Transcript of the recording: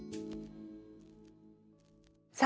さあ